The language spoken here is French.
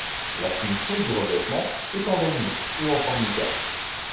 La finition du revêtement est en vernis ou en Formica.